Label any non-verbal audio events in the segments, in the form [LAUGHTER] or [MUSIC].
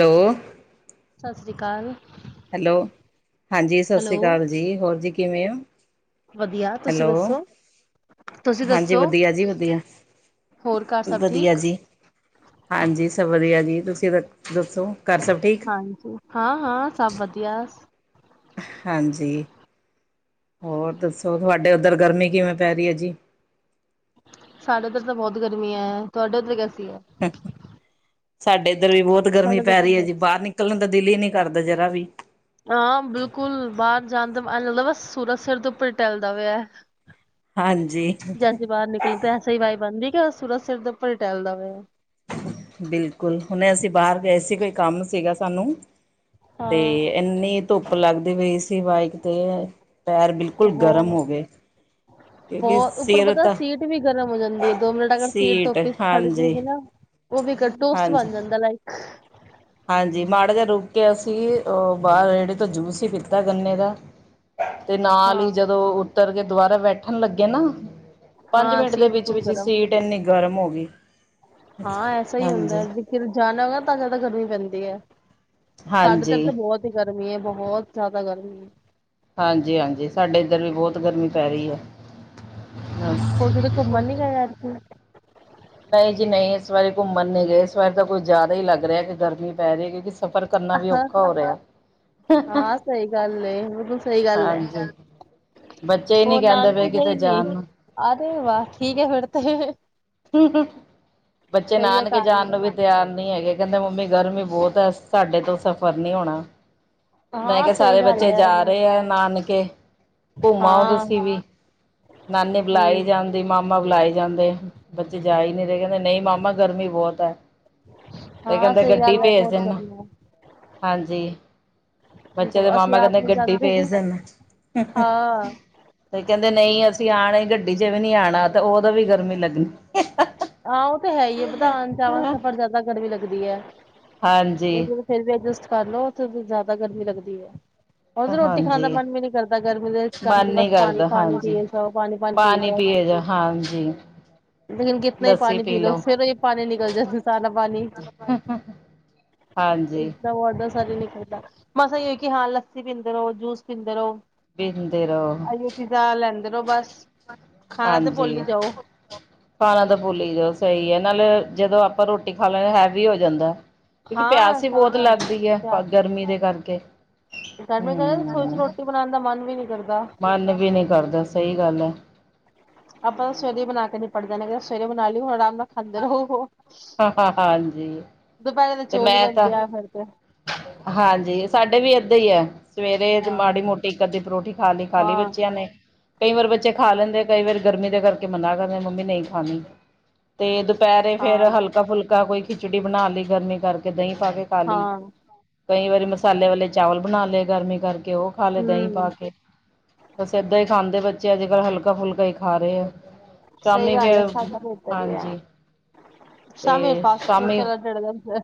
Hello ਸਤਿ ਸ਼੍ਰੀ ਅਕਾਲ ਹੈਲੋ ਹਾਂਜੀ ਸਤਿ ਸ੍ਰੀ ਹੈਲੋ ਅਕਾਲ ਜੀ ਹੋਰ ਜੀ ਕਿਵੇਂ ਹੋ ਵਧੀਆ ਤੁਸੀਂ ਹੈਲੋ ਦੱਸੋ ਤੁਸੀਂ ਹਾਂਜੀ ਦੱਸੋ? ਵਧੀਆ ਜੀ ਵਧੀਆ ਹੋਰ ਘਰ ਸਭ ਵਧੀਆ ਠੀਕ ਜੀ ਹਾਂਜੀ ਸ ਵਧੀਆ ਜੀ ਤੁਸੀਂ ਦ ਦੱਸੋ ਸਭ ਠੀਕ? ਹਾਂਜੀ ਹਾਂ ਹਾਂ ਸਭ ਵਧੀਆ ਹਾਂਜੀ ਹੋਰ ਦੱਸੋ ਤੁਹਾਡੇ ਉੱਧਰ ਗਰਮੀ ਕਿਵੇਂ ਪੈ ਰਹੀ ਹੈ ਜੀ ਸਾਡਾ ਉੱਧਰ ਤਾਂ ਬਹੁਤ ਗਰਮੀ ਹੈ ਤੁਹਾਡੇ ਉੱਧਰ ਕੈਸੀ ਹੈ ਸਾਡੇ ਇੱਧਰ ਬਹੁਤ ਗਰਮੀ ਸਾਡਾ ਤਾਂ ਪੈ ਇੱਥੇ ਰਹੀ ਹੈ ਜੀ ਬਹੁਤ ਬਾਹਰ ਨਿਕਲਣ ਦਾ ਦਿਲ ਹੀ ਨਹੀ ਕਰਦਾ ਜਰਾ ਵੀ ਜਾਂਣਦਾ ਮ ਲੱਗਦਾ ਬ ਸੂਰਤ ਸਿਰ ਦੇ ਉੱਪਰ ਟੈਲਦਾ ਵ ਹੈ ਹਾਂਜੀ ਜੈਸੀੇ ਬਾਹਰ ਨਿਕਲ ਤੇ ਐਸਾ ਹੀ ਵਵਾਜ਼ ਬਣਦੀ ਕਿਆ ਸੁਰ ਸਿਰ ਤੇੱਪਰ ਟੈਲਦਾ ਵਇਆ ਬਿਲਕੁਲ ਹੁਣੇ ਅਸੀਂ ਬਾਹਰ ਗਏ ਸੀ ਕੋਈ ਕੰਮ ਸੀਗਾ ਸਾਨੂੰ ਤੇ ਹਾਂ ਇੰਨੀ ਧੁੱਪ ਲੱਗਦੀ ਵੀਈ ਸੀ ਬਾਈਕ ਤੇ ਹੈ ਹੋਰ ਕਿਉਂਕਿ ਬਹੁ ਉੱਪਰ ਸਿਰ ਪਤਾ ਤਾਂ ਸੀਟ ਵੀ ਗਰਮ ਹੋ ਜਾਂਦੀ ਹੈ ਦੋ ਮਿੰਟ ਅਗ ਸੀਟ ਧੱਪੀ ਖੜ ਜਾਏਗੀ ਨਾ ਉਹ ਵੀ ਇੱਕ ਟੋਸਟ ਹਾਂਜੀ ਬਣ ਜਾਂਦਾ ਲਾਈਕ ਹ ਹਾਂਜੀ, ਮਾੜਾ ਜਿਹਾ ਰੁਕ ਕੇ ਅਸੀਂ, ਉਹ ਬਾਹਰ ਰੇੜੇ ਤੋਂ ਜੂਸ ਹੀ ਪੀਤਾ, ਗੰਨੇ ਦਾ। ਤੇ ਨਾਲ ਹੀ ਹਾਂ ਜਦੋਂ ਉਤਰ ਕੇ ਦੁਬਾਰਾ ਬੈਠਣ ਲੱਗੇ ਨਾ ਪੰਜ ਹਾਂ ਮਿੰਟ ਦੇ ਸੀਟ ਵਿੱਚ ਫੁੱਲ ਵਿੱਚ, ਗਰਮ ਸੀਟ ਇੰਨੀ ਗਰਮ ਹੋ ਗਈ। ਕੁੀ [INAUDIBLE] ਹਾਂ, ਐਸਾ ਹੀ ਹੁੰਦਾ ਏ, ਜਾਣਾ ਹੋਵੇ ਨਾ ਤਾਂ ਜ਼ਿਆਦਾ ਗਰਮੀ ਪੈਂਦੀ। ਵਧਿਆ। ਸਾਡੇ ਤਾਂ ਓਥੇ, ਹਾਂਜੀ ਬਹੁਤ ਹੀ ਗਰਮੀ ਗਰਮੀ ਹੈ, ਬਹੁਤ ਜ਼ਿਆਦਾ ਗਰਮੀ ਹੈ। ਹਾਂਜੀ -ਹਾਂਜੀ, ਸਾਡੇ ਇੱਧਰ ਵੀ ਬਹੁਤ ਗਰਮੀ ਪੈ ਰਹੀ ਆ। ਹੋਰ ਕਿਤੇ ਘੁੰਮਣ ਨੀ ਗਏ? ਅਜ ਨਈਂ ਜੀ ਨਈਂ, ਇਸ ਵਾਰੀ ਘੁੰਮਨ ਨੀ ਗਏ, ਇਸ ਵਾਰੀ ਤਾਂ ਕੁਝ ਜ਼ਿਆਦਾ ਹੀ ਲੱਗ ਰਿਹਾ, ਕਿ ਗਰਮੀ ਪੈ ਰਹੇ ਕਿਉਂਿ ਹਾਂ ਸਹੀ ਗੱਲ ਏ, ਬਿਲਕੁਲ ਸਹੀ ਗੱਲ ਏ, ਹਾਂਜੀ ਬੱਚੇ ਹੀ ਨਹੀਂ ਹੋਰ ਕਹਿੰਦੇ ਪਏ ਨਾਨਕੇ ਗਈ ਕਿਤੇ ਨੀ, ਜਾਣ ਨੂੰ ਆ ਰ ਵਾਹ ਠੀਕ ਹੈ ਫਿਰ ਤੇ ਬੱਚੇ ਸਹੀ ਹੈ ਨਾਨਕੇ ਘਰ ਹੀ ਜਾਣ ਹੈ। ਨੂੰ ਵੀ, ਤਿਆਰ ਨਹੀਂ। ਹੈਗੇ, ਕਹਿੰਦੇ ਮੰਮੀ ਗਰਮੀ ਬਹੁਤ ਹੈ, ਸਾਡੇ ਤੋਂ ਸਫ਼ਰ ਨੀ ਹੋਣਾ। ਮੈਂ ਹਾਂ ਕਿਹਾ, ਸਹੀ ਸਾਰੇ ਗੱਲ ਬੱਚੇ ਹੈ ਜਾ ਰਹੇ ਹੈ ਨਾ ਨ ਛੇ ਘੁੰਮ ਆਓ ਹਾਂ ਤੁਸੀਂ ਵੀ, ਨਾਨੀ ਬੁਲਾਈ ਹੂੰ ਜਾਂਦੀ, ਮਾਮਾ ਬੁਲਾਈ ਜਾਂਦੇ ਬੱਚੇ ਜਾਈ ਨੀ ਰਏ, ਕਹਿੰਦੇ ਨਹੀਂ ਮਾਮਾ ਗਰਮੀ ਬਹੁਤ ਹੈ, ਤੇ ਹਾਂ ਕਹਿੰਦੇ ਸਹੀ ਗੱਡੀ ਗੱਲ ਹੈ ਭੇਜ ਬਹੁਤ ਦਿਨਾਂ, ਗਰਮੀ ਹਾਂਜੀ ਬੱਚੇ ਦੇ ਹੈ ਅਸੀਂ ਮਾਮਾ ਆਪ ਕਹਿੰਦੇ ਨੀ ਗੱਡੀ ਜਾਂਦੇ ਭੇਜ ਦਿਨਾਂ, ਹਾਂ ਤੇ ਕਹਿੰਦੇ ਨਹੀਂ ਅਸੀਂ ਆਣਾ ਗੱਡੀ ਜੇ ਵੀ ਨੀ ਆਉਣਾ ਤਾਂ ਉਹਦੋਂ ਵੀ ਗਰਮੀ ਲੱਗਣੀ ਆਹ ਤੇ ਹੈ ਹੀ ਐ, ਵਧਾਉਣ ਜਾਵਾਂ ਸਫ਼ਰ, ਜ਼ਿਆਦਾ ਗਰਮੀ ਲੱਗਦੀ ਐ। ਹਾਂਜੀ। ਉਹ ਫਿਰ ਵੀ, ਅਡਜਸਟ ਕਰ ਲੋ, ਉੱਥੇ ਤੇ ਜ਼ਿਆਦਾ ਗਰਮੀ ਲੱਗਦੀ ਐ। ਉਹ ਤੇ ਰੋਟੀ ਖਾਣ ਦਾ ਹਾਂਜੀ ਮਨ ਵੀ ਨਹੀਂ ਕਰਦਾ, ਗਰਮੀ ਦੇ ਕਰਕੇ, ਮਨ ਬਸ ਨੀ ਪਾਣੀ ਕਰਦਾ ਪਾਣੀ ਪੀ ਹਾਂਜੀ ਜਾਓ, ਪਾਣੀ ਪਾਣੀ ਪੀ ਜਾਓ। ਜੀ। ਲੇਕਨ ਕਿਤਨਾ ਹੀ ਪਾਨੀ ਪੀ ਲਓ, ਫਿਰ ਵੀ ਪਾਨੀ ਨਿਕਲ ਜਾਂਦਾ, ਸਾਰਾ ਪਾਨੀ ਹਾਂਜੀ ਇਤਨਾ ਬ ਦ ਮ ਨਿਕਲਦਾ ਮਸਾ ਇਹ ਹੋ ਕਿ, ਹਾਂ ਲੱਸੀ ਪੀਂਦੇ ਰਹੋ, ਜੂਸ ਪੀਂਦੇ ਰਹੋ। ਪੀਂਦੇ ਰਹੋ ਆਈਟੀ [INAUDIBLE] ਤਾਂ ਲੈਂਦੇ ਰਹੋ ਬਸ, ਖਾਣਾ ਤਾਂ ਭੁੱਲ ਹੀ ਜਾਓ। ਪਾਣਾ ਤਾਂ ਭੁੱਲ ਜਓ, ਸਹੀ ਹੈ ਨਾਲੇ ਜਦੋਂ ਆਪਾਂ ਰੋਟੀ ਖਾ ਲੈਦੇ ਹੈਵੀ ਹੋ ਜਾਂਦਾ ਕਿਉਂਕਿ, ਹਾਂ ਪਿਆਸ ਹੀ ਸਹੀ ਬਹੁਤ ਗੱਲ ਲੱਗਦੀ ਹੈ ਗਰਮੀ ਦੇ ਕਰਕੇ। ਗਰਮੀ ਕਹਿੰ ਸੋ ਹਮ ਰੋਟੀ ਬਣਾਉਣ ਦਾ ਮਨ ਵੀ ਨੀ ਕਰਦਾ। ਮਨ ਵੀ ਨਹੀਂ ਕਰਦਾ ਸਹੀ ਗੱਲ ਹੈ। ਜਾਦੇ ਨੇ ਸਵੇਰੇ ਬਣਾਲਈ ਹੁਣ ਆਰਾਮ ਨਾਲ ਅੰਦਰ ਹੋ ਹੋ। ਹਾਂ ਹਾਂ ਹਾਂ ਹਾਂਜੀ। ਦੁਪਹਿਰੇ ਦੇ ਤੇ ਚੋਲ ਹੀ ਮੈਂ ਤਾਂ ਬਣਦੇ ਆ ਫਿਰ ਤੇ ਹਾਂਜੀ ਸਾਡੇ ਵੀ ਵੀ ਏਦਾਂ ਹੀ ਆ। ਸਵੇਰੇ ਹਾਂ ਮਾੜੀ ਮੋਟੀ ਕਦੀ ਪਰੋਠੀ ਖਾ ਲਈ ਖਾ ਲਈ ਹਾਂ ਬੱਚਿਆਂ ਨੇ ਕਈ ਵਾਰ ਬੱਚੇ ਖਾ ਲੈਂਦੇ ਕਈ ਵਾਰ ਗਰਮੀ ਦੇ ਕਰਕੇ ਮਨਾ ਕਰ ਦਿੰਦੇ ਮੰਮੀ ਨਹੀਂ ਖਾਣੀ ਤੇ ਦੁਪਹਿਰੇ ਫੇਰ ਹਾਂ ਹਲਕਾ ਫੁਲਕਾ ਕੋਈ ਖਿਚੜੀ ਬਣਾ ਲਈ ਗਰਮੀ ਕਰਕੇ ਕਿ ਦਹੀਂ ਪਾ ਕੇ ਖਾਲੀ ਹਾਂ ਕਈ ਵਾਰੀ ਮਸਾਲੇ ਵਾਲੇ ਚਾਵਲ ਬਣਾ ਲਏ ਗਰਮੀ ਕਰਕੇ ਉਹ ਖਾ ਲਏ ਦਹੀਂ ਪਾ ਹਮ ਕੇ ਬਸ ਏਦਾਂ ਹੀ ਖਾਂਦੇ ਬੱਚੇ ਬੱਚੇ ਅੱਜ ਕੱਲ ਹਲਕਾ ਫੁਲਕਾ ਹੀ ਖਾ ਰਹੇ ਆ। ਸਹੀ ਸ਼ਾਮੀ ਗੱਲ ਹੈ ਫੇਰ ਸਾਡਾ ਬਿਹਤਰ ਹੀ ਹਾਂਜੀ ਹੈ ਤੇ ਸ਼ਾਮ ਫਾਸਟ ਫੂਡ ਸ਼ਾਮੀ ਚਲਦਾ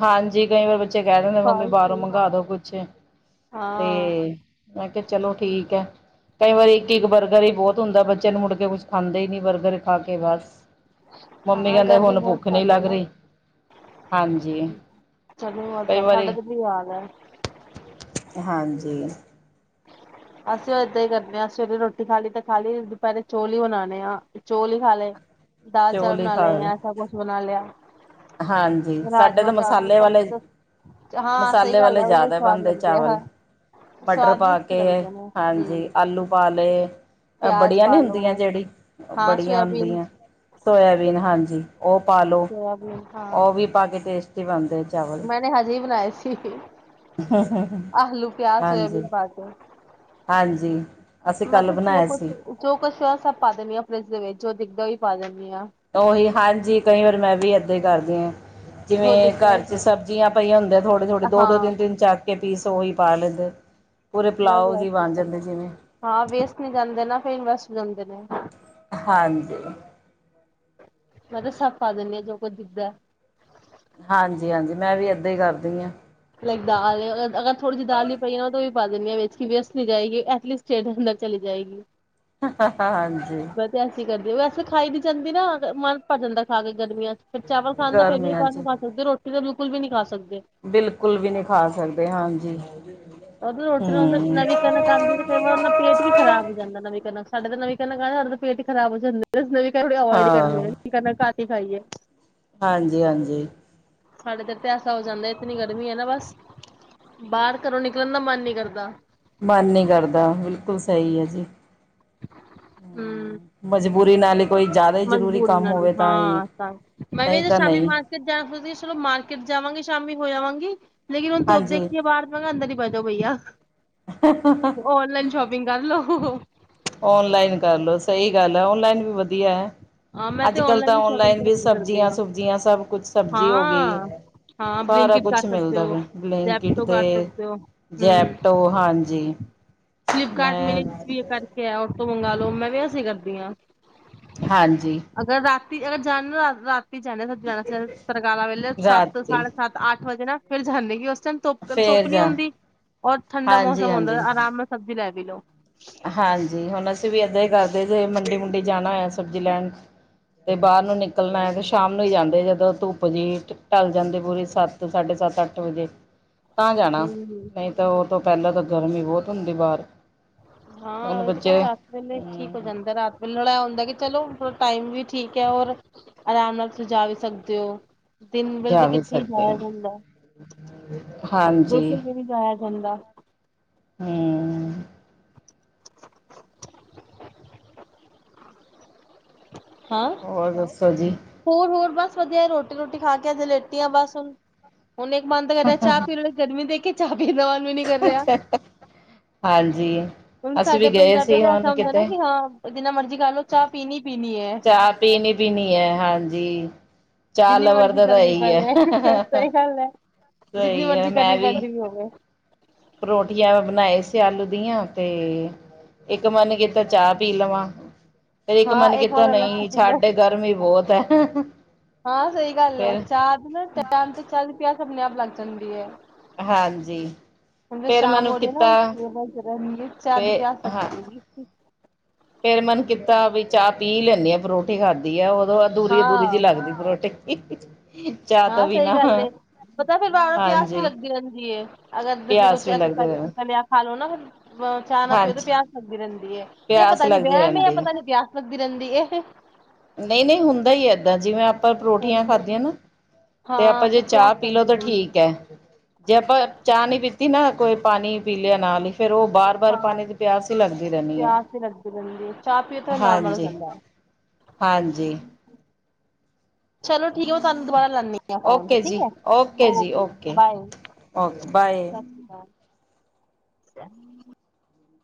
ਹਾਂਜੀ ਕਈ ਵਾਰ ਬੱਚੇ ਕਹਿ ਦਿੰਦੇ ਮੰਮੀ ਬਾਹਰੋਂ ਮੰਗਵਾ ਦੋ ਕੁਛ ਤੇ ਹਾਂ ਮੈਂ ਕਿਹਾ ਚਲੋ ਠੀਕ ਹੈ ਕਈ ਵਾਰੀ ਇੱਕ ਇੱਕ ਬਰਗਰ ਹੀ ਬਹੁਤ ਹੁੰਦਾ ਬੱਚੇ ਨੂੰ ਮੁੜ ਕੇ ਕੁਛ ਖਾਂਦਾ ਹੀ ਨੀ ਬਰਗਰ ਖਾ ਕੇ ਬਸ ਮੰਮੀ ਹਾਂ ਕਹਿੰਦੇ ਗਰਮੀ ਹੁਣ ਬਹੁਤ ਭੁੱਖ ਨਹੀਂ ਜ਼ਿਆਦਾ ਹੈ ਲੱਗ ਨਾ ਰਹੀ, ਹਾਂਜੀ। ਗਰਮੀ ਬਹੁਤ ਕਈ ਸਾਡੇ ਵਾਰੀ ਤੇ ਭਈ ਯਾਦ ਹੈ। ਜੀ ਅਸੀਂ ਇੱਦਾਂ ਹੀ ਕਰਦੇ ਹਾਂ ਸਵੇਰੇ ਰੋਟੀ ਖਾ ਲਈ ਤੇ ਖਾ ਲਈ, ਦੁਪਹਿਰੇ ਚੌਲ ਹੀ ਬਣਾਉਣੇ ਆਂ। ਚੌਲ ਹੀ ਖਾ ਲਏ। ਦਾਲ ਚਾਵਲ ਚੋਲ ਹੀ ਬਣਾ ਖਾ ਲਏ, ਰਹੇ ਐਸਾ ਕੁਛ ਬਣਾ ਲਿਆ। ਹਾਂਜੀ ਸਾਡੇ ਰਾਜਮਾਂ ਤਾਂ ਚਾਵਲ ਮਸਾਲੇ ਵਾਲੇ ਮਤਲਬ ਹਾਂ ਸਹੀ ਮਸਾਲੇ ਗੱਲ ਵਾਲੇ ਹੈ ਉਹੀ ਜ਼ਿਆਦਾ ਸਵਾਦ ਬਣਦੇ ਲੱਗਦੇ ਚਾਵਲ। ਆ ਮਟਰ ਸਵਾਦ ਵੀ ਪਾ ਅੱਛੇ ਕੇ ਲੱਗਦੇ ਨੇ ਹਾਂਜੀ ਹਮ ਆਲੂ ਪਾ ਲਏ ਪਿਆਜ ਬੜੀਆਂ ਪਾ ਨਹੀਂ ਹੁੰਦੀਆਂ ਲੋ ਜਿਹੜੀ ਹਾਂ ਬੜੀਆਂ ਸੋਇਆਬੀਨ ਹੁੰਦੀਆਂ ਸੋਆਬੀਨ ਹਾਂਜੀ। ਓ ਪਾਲੋ ਸੋਇਆਬੀਨ ਉਹ ਹਾਂ ਵੀ ਪਾ ਕੇ ਟੇਸਟੀ ਬਣਦੇ‌ ਮੈਂਨੇ ਹਜੇ ਈ ਬਣਾਏ ਸੀ। ਠੀਕ ਏ ਸੋਇਆਬੀਨ ਪਾ ਕੇ ਹਾਂਜੀ-ਹਾਂਜੀ ਅਸੀਂ ਕੱਲ ਮਤਲਬ ਜੋ ਬਣਾਏ ਕੁਛ ਸੀ। ਜੋ ਕੁਛ ਹੋਇਆ ਸਭ ਪਾ ਦਿੰਦੀ ਹਾਂ ਫ੍ਰਿਜ ਦੇ ਵਿੱਚ ਜੋ ਦਿਖਦਾ ਓਹੀ ਪਾ ਦਿੰਨੀ ਆ, ਉਹੀ ਹਾਂਜੀ ਕਈ ਵਾਰ ਮੈਂ ਵੀ ਇੱਦਾਂ ਈ ਕਰਦੀ ਆ, ਜੋ ਜਿਵੇਂ ਦਿਖਦਾ ਘਰ ਉਹੀ ਚ ਪਾ ਦਿੰਦੀ ਸਬਜ਼ੀਆਂ ਪਈਆਂ ਹੁੰਦੇ ਥੋੜੇ-ਥੋੜੇ ਹਾਂ ਦੋ-ਦੋ ਹਾਂ ਤਿੰਨ-ਤਿੰਨ, ਚਾਰ ਕੇ ਪੀਸ ਓਹੀ ਪਾ ਲੈਂਦੇ। ਪੂਰੇ ਮੈਂ ਵੀ ਪੁਲਾਓ ਜੀ ਬਣ [UNINTELLIGIBLE] ਜਾਂਦੇ ਜਿਵੇਂ ਹਾਂ ਵੇਸਟ ਨਹੀਂ ਜਾਂਦੇ ਨਾ ਫਿਰ ਵੈਸ ਹੋ ਜਾਂਦੇ। [UNINTELLIGIBLE] ਹਾਂਜੀ, ਮੈਂ ਤਾਂ ਸੱਭ ਪਾ ਦੇਂਨੀ ਹਾਂ ਜੋ ਕੁੱਝ ਦਿਖਦਾ। ਹਾਂਜੀ-ਹਾਂਜੀ, ਮੈਂ ਵੀ ਇੱਦਾਂ ਹੀ ਕਰਦੀ ਆ। ਲਾਈਕ ਦਾਲ ਏ ਅਗਰ-ਅਗਰ, ਥੋੜੀ ਜੇਹੀ ਦਾਲ ਵੀ ਪਈ ਏ, ਉਹਦਾ ਵੀ ਪਾ ਦੇਂਨੀ ਹਾਂ ਵਿੱਚ ਕਿ ਵੇਸਟ ਨਹੀਂ ਜਾਏਗੀ, ਐਟਲੀਸਟ ਢਿਡ ਅੰਦਰ ਚਲੀ ਜਾਏਗੀ। ਹਾ-ਹਾ, ਹਾਂਜੀ। ਵੈਸੇ ਐਸੀ ਕਰਦੀ, ਵੈਸੇ ਖਾਈ ਨੀ ਜਾਂਦੀ ਨਾ, ਤੇ ਮਨ ਭਰ ਜਾਂਦਾ ਖਾ ਕੇ। ਗਰਮੀਆਂ ਚ ਫ਼ਿਰ ਚਾਲ ਖਾਣ ਦਾ ਫਿਰ ਵੀ ਇਕ ਗਰਮੀਆਂ ਵਾਰ ਨੂੰ 'ਚ ਖਾ ਸਕਦੇ, ਰੋਟੀ ਤੇ ਵੀ ਕੁੱਝ ਵੀ ਨਹੀਂ ਖਾ ਸਕਦੇ। ਬਿਲਕੁਲ ਵੀ ਨਹੀਂ ਖਾ ਸਕਦੇ, ਹਾਂਜੀ। ਉਹ ਰੋਟੀ ਨਾਲ ਫੇਰ ਹਮ ਨਵੀਂ ਕਣਕ ਆਉਦੀ ਏ ਤੇ ਕਈ ਵਾਰ ਓਦੇ ਨਾਲ ਪੇਟ ਵੀ ਖ਼ਰਾਬ ਹੋ ਜਾਂਦਾ ਨਵੀਂ ਕਣਕ ਸਾਡੇ ਤਾਂ ਨਵੀਂ ਕਣਕ ਆਏ, ਸਾਡੇ ਤੇ ਪੇਟ ਹੀ ਖਰਾਬ ਹੋ ਜਾਂਦੇ ਨਵੀਂ ਕਹਿੰਦੇ ਅਵੋਇਡ ਹੀ ਕਰ ਲੀਏ, ਕਿ ਕਰਨਾ ਸਾ ਕੀ ਖਾਈਏ? ਹਾਂਜੀ-ਹਾਂਜੀ, ਸਾਡੇ ਇੱਰ ਤੇ ਐਸਾ ਹੋ ਜਾਂਦਾ ਇਤਨੀ ਗਰਮੀ ਹੈ ਨਾ ਬਸ ਬਾਹਰ ਘਰੋਂ ਨ ਨਿਕਲਨ ਦਾ ਮਨ ਨੀ ਕਰਦਾ। ਮਨ ਨਹੀਂ ਕਰਦਾ ਬਿਲਕੁਲ ਸਹੀ ਹੈ ਜੀ, ਹੂੰ, ਪੂਰੀ ਨਾਲ ਕੋਈ ਜ਼ਿਆਦਾ ਹੀ ਜ਼ਰੂਰੀ ਕੰਮ ਮਜਬੂੂਰਨਾਂ ਦੀ ਹੋਵੇ ਤਾਂ ਹੀ ਹਾਂ ਤਾਂ ਮੈਂ ਵੀ ਨਹੀਂ ਇਹ ਤਾਂ ਸ਼ਾਮੀ ਨਹੀਂ ਮਾਰਕੀਟ ਜਾਣਾ ਖਦੀ ਚਲੋ ਮਾਰਕੀਟ ਜਾਵਾਂਗੇ ਸ਼ਾਮੀ ਹੋ ਆਵਾਂਗੀ। ਲੇਕਿਨ ਹੁਣ ਧੁੱਪ ਹਾਂਜੀ। ਦੇਖੀਏ ਬਾਹਰ ਕਹਾ ਗੇ ਅੰਦਰ ਹੀ ਬਹਿਜੋ ਬਈਆ ਔਨਲਾਈਨ ਸ਼ੋਪਿੰਗ ਕਰ ਲੋੋ। [UNINTELLIGIBLE] ਔਨਲਾਈਨ ਕਰਲੋ ਸਹੀ ਗੱਲ ਹੈ ਔਨਲਾਈਨ ਵੀ ਵਧੀਆ ਐ। ਹਾਂ ਮੈਂ ਅੱਜ ਤੇ ਕੱਲ ਤਾਂ ਹੀ ਸ਼ੋਪਿੰਗ ਔਨਲਾਈਨ ਵੀ ਪ੍ਰੈਫਰ ਕਰਦੀ ਸਬਜ਼ੀਆਂ ਹਾਂ ਸੁਬਜ਼ੀਆਂ ਸਭ ਕੁਛ ਸਬਜ਼ੀ ਹੋ ਗਈ ਹਾਂ ਹਾਂ ਸਾਰਾ ਬਲਿੰਕਿਟ ਕਰ ਕੁਛ ਸਕਦੇ ਮਿਲਦਾ ਹੋ ਵਾ ਬਲੈਂਕਿਟ ਜੈਪਟੋ ਤੇ ਕਰ ਸਕਦੇ ਹੋ ਹਮ ਜੈਪਟੋ ਹਾਂਜੀ ਫਲਿਪਕਾਰਟ ਮੈਂ, ਮਿੰਟਸ ਵੀ ਕਰਕੇ ਹੈ ਔਰ ਤੋਂ ਮੰਗਾਲ ਲੋ ਮੈਂ ਵੀ ਐਸੀਂ ਕਰਦੀ ਹਾਂ। ਹਾਂਜੀ। ਅਗਰ ਰਾਤ ਅਰ ਜਾਣ ਰਾ [UNINTELLIGIBLE] ਜਾਂਦੇ ਸ ਜਾਣਾ ਤਰਕਾਰਾਂ ਵੇਲੇ, ਸੱਤ- ਰਾਤੀ ਸਾਢੇ ਸੱਤ- ਅੱਠ ਵਜੇ ਨਾ ਫੇਰ ਜਾਂਦੇ ਕਿ ਹੋ ਧੁੱਪ- ਫੇਰ ਧੁੱਪ ਨੀ ਜਾ ਹੁੰਦੀ। ਔਰ ਠੰਡਾ ਹਾਂਜੀ ਮੌਸਮ ਹੁੰਦਾ। ਹਾਂਜੀ ਆਰਾਮ ਨਾਲ ਸਬਜ਼ੀ ਲੈ ਵੀਲੋ ਹਾਂਜੀ। ਹੁਣ ਅਸੀਂ ਵੀ ਏਦਾਂ ਹੀ ਕਰਦੇ ਜ ਮੰਡੀ ਮੰਡੀ ਜਾਣਾ ਹੈ ਸਬਜ਼ੀ ਲੈਣ, ਤੇ ਬਾਹਰ ਨੂੰ ਨਿਕਲਣਾ ਹੈ। ਤੇ ਸ਼ਾਮ ਨੂੰ ਹੀ ਜਾਂਦੇ ਜਦੋਂ ਧੁੱਪ ਜੀਹੀ ਢਲ ਜਾਂਦੇ ਪੂਰੀ ਸੱਤ- ਸਾਢੇ ਸੱਤ -ਅੱਠ ਵਜੇ ਤਾਂ ਜਾਣਾ। ਹਮ ਨਹੀਂ ਤਾਂ ਉਹ ਤੋਂ ਪਹਿਲਾਂ ਤਾਂ ਗਰਮੀ ਬਹੁਤ ਹੁੰਦੀ ਬਾਹਾਰੇ ਹਾਂ। ਉਹਦੇ ਤੇ ਦਸ ਦਿੰਦੇ ਰਾਤ ਵੇਲੇ ਠੀਕ ਹੋ ਜਾਂਦਾ। ਰਾਤ ਵੇਲੇ ਲੜਾਇਆ ਹੁੰਦਾ। ਕਿ ਚਲੋ, ਟਾਈਮ ਵੀ ਠੀਕ ਹੈ ਔਰ, ਆਰਾਮ ਨਾਲ ਤੁਸੀਂ ਜਾ ਵੀ ਸਕਦੇ ਹੋ। ਦਿਨ ਵੇਲ ਜਾ ਤਾਂ ਵੀ ਕਿੱਥੇ ਹੀ ਸਕਦੇ ਜਾਇਆ ਆ ਜਾਂਦਾ। ਹਾਂਜੀ ਬਿਲਕੁਲ ਵੀ ਨਹੀਂ ਜਾਇ ਹੰਦਾ। ਹਮ ਹਾਂ। ਹੋਰ ਦੱਸੋ ਜੀ, ਹੋਰ- ਹੋਰ ਬਸ ਵਾਧਿਆ। ਰੋਟੀ -ਰੋਟੀ ਖਾ ਕੇ ਅਜ ਲੇਟੀ ਆ ਬਸ ਹੁਣ ਹੁਨ ਇੱਕ ਬੰਦ ਕਰ ਚਾਹ ਪੀ ਲੋ ਗਰਮੀ ਦੇਖ ਕੇ ਚਾਹ ਪੀਂਦਾ। ਵੀ ਨੀ ਕਰ ਰਿਹਾ। ਹਾਂਜੀ ਹੁਣ ਅਸੀਂ ਸਾਡੇ ਵੀ ਗਏ ਪੰਜਾਬੀ ਸੀ ਦਾ ਐਸਾ ਹੁਣ ਹੁੰਦਾ ਨਾ। ਕਿਤੇ ਕਿ ਹਾਂ, ਜਿੰਨਾ ਮਰਜੀੀ ਕਰ ਲਓ। ਚਾਹ ਪੀਣੀ ਪੀਣੀ ਹੈ। ਜੇ ਜਿੰਨੀ ਮਰਜ਼ੀ ਕਰਨੀ ਪੈ ਜਾਏ। ਸਹੀ ਗੱਲ ਹੈ। ਜਿਤਨੀ ਸਹੀ ਮਰਜ਼ੀ ਗਰਮੀ ਪੈਂਦੀ ਵੀ ਹੋਵੇ। ਪਰੋਠੀਆਂ ਬਣਾਏ ਸੀ ਆਲੂ ਦੀਆਂ। ਤੇ ਇੱਕ ਮੰਨ ਕੀਤਾ ਚਾਹ ਪੀ ਲਵਾਂ। ਫੇਰ ਇੱਕ ਹਾਂ ਮਨ ਕਿ ਕੀਤਾ ਮਗਰ ਲੱਸੀ ਨਹੀਂ, ਪੀ ਲਓ। ਸਾਡੇ ਗਰਮ ਹੀ ਬਹੁਤ ਹੈ। ਹਮ ਹਾਂ। ਸਹੀ ਗੱਲ ਹੈ। ਚਾਹ ਨਾ ਟੈਮ ਤੇ ਚ ਪਿਆ। ਆਪਣੇ -ਆਪ ਲੱਗ ਜਾਂਦੀ ਹੈ। ਹਾਂਜੀ ਹਤ ਫੇਰ ਸ਼ਾਮ ਮੈਨੂੰ ਹੋ ਰਹੀ [UNINTELLIGIBLE] ਨਾ ਕੀਤਾ ਰ ਫੇ ਸ਼ਦ ਕਿਆ ਸਬਦੀ ਹਾਂ ਦੇਗੀ ਫੇਰ ਮਨ ਕੀਤਾ ਬ ਚਾਹ ਪੀ ਲੈਂਣੀਆ। ਪਰੋਠੀ ਖਾਧੀ ਆ। ਅਧੂਰੀ- ਅਧੂਰੀ ਜਿਹੀ ਹਾਂ ਲੱਗਦੀ ਪਰੋਠੀ ਹਾਂ। ਸਹੀ ਗੱਲ ਪਤਾ ਫਿਰ ਬਾਹੋਂ ਪਿਆਸ ਵੀ ਹਾਂਜੀ ਲੱਗਦੀ ਰਹਿੰਦੀ। ਅਗਰ ਦ ਪਿਆਸ ਕੁਛ ਵੀ ਲੱਗਦੇ ਰਹਿੰਦੀ, ਖਾ ਲਓ ਨਾ ਚਾਹ ਨਾ ਪਿਓ ਤੇ ਹਾਂਜੀ ਪਿਆਸ ਲੱਗਦੀ ਰਹਿੰਦੀ ਹੈ ਇਹ ਪਿਆਸ ਪਤਾ ਨੀ ਲੱਗਦੀ ਵੈ ਮ ਇਹ ਰਹਿੰਦੀ ਪਤਾ ਨੀ ਪਿਆਸ ਲੱਗਦੀ ਰਹਿੰਦੀ ਇਹ ਨਹੀਂ ਨਹੀਂ ਹੁੰਦਾ ਹੀ ਏਦਾਂ ਜਿਵੇਂ ਆਪਾਂ ਪਰੋਠੀਆਂ ਖਾਧੀਆਂ ਨਾ ਤੇ ਹਾਂ ਆਪਾਂ ਜੇ ਫਿਰ ਪਿਆਸ ਚਾਹ ਪੀਲਓ ਲੱਗਦੀ ਤਾਂ ਰਹਿੰਦੀ ਠੀਕ ਹੈ ਜੇ ਆਪਾਂ ਚਾਹ ਨੀ ਪੀਤੀ ਨਾ ਕੋਈ ਪਾਣੀ ਪੀਲੇਆ ਨਾਲ ਹੀ ਪਾਣੀ ਫਿਰ ਉਹ ਬਾਰ ਬਾਰ ਹਾਂ। ਪਾਣੀ ਦੀ ਪਿਆਸ ਹੀ ਲੱਗਦੀ ਰਹਿੰਦੀ ਹੈ ਹਾਂਜੀ ਹਾਂਜੀ ਹਾਂਜੀ ਚਲੋ ਠੀਕ ਹੈ ਉਹ ਤੁਹਾਨੂੰ ਦੁਬਾਰਾ ਲ ਆ ਫੋਨ ਓਕੇ ਠੀਕ ਜੀ ਜੀ ਓਕੇ ਬਾਏ ਓਕੇ ਬਾਏ ਸ੍ਰੀ ਅਕਾਲ [INAUDIBLE]